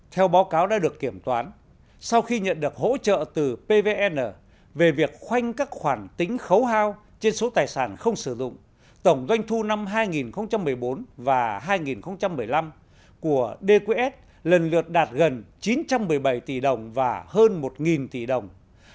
theo báo cáo đã được kiểm toán sau khi nhận được hỗ trợ từ pvn về việc khoanh các khoản tính khấu hao trên số tài sản không sử dụng tổng doanh thu năm hai nghìn một mươi bốn và hai nghìn một mươi năm của dqs lần lượt đạt gần chín trăm một mươi bảy tỷ đồng và hơn một tỷ đồng